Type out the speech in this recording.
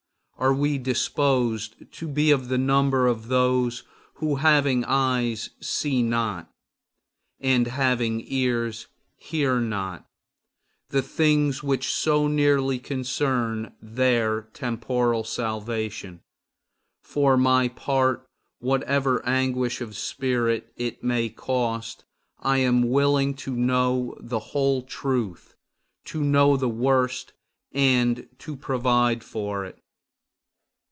Are we disposed to be of the number of those who having eyes see not, and having ears hear not, the things which so nearly concern their temporal salvation? For my part, whatever anguish of spirit it may cost, I am willing to know the whole truth; to know the worst and to provide for it.